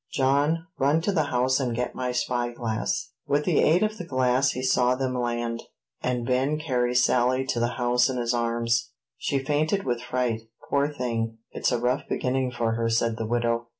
John, run to the house and get my spy glass." With the aid of the glass he saw them land, and Ben carry Sally to the house in his arms. "She's fainted with fright, poor thing; it's a rough beginning for her," said the widow.